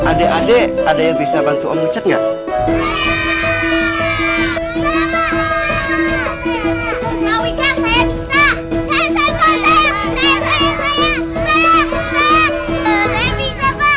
adek adek ada yang bisa bantu om ngechat enggak